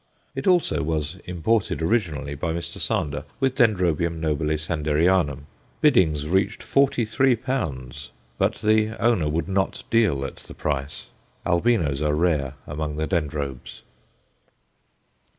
It also was imported originally by Mr. Sander, with D. n. Sanderianum. Biddings reached forty three pounds, but the owner would not deal at the price. Albinos are rare among the Dendrobes.